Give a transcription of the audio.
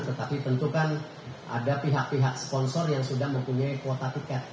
tetapi tentu kan ada pihak pihak sponsor yang sudah mempunyai kuota tiket